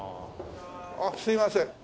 あっすいません。